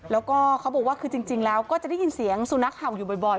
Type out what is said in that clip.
แล้วก็เขาบอกว่าคือจริงแล้วก็จะได้ยินเสียงสุนัขเห่าอยู่บ่อย